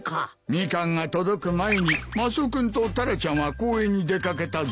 ミカンが届く前にマスオ君とタラちゃんは公園に出掛けたぞ。